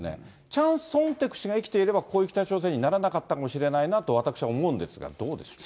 チャン・ソンテク氏が生きていれば、こういう北朝鮮にならなかったかもしれないなと私は思うんですが、どうでしょうか。